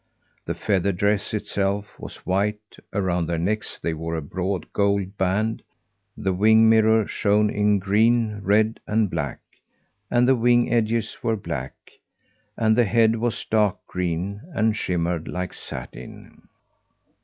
The feather dress, itself, was white; around their necks they wore a broad gold band; the wing mirror shone in green, red, and black; and the wing edges were black, and the head was dark green and shimmered like satin.